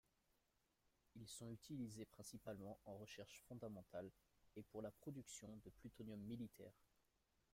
Ils sont utilisés principalement en recherche fondamentale et pour la production de plutonium militaire.